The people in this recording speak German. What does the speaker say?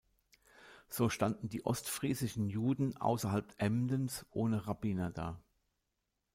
So standen die ostfriesischen Juden außerhalb Emdens ohne Rabbiner da.